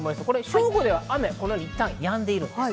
正午では雨はいったん、やんでいます。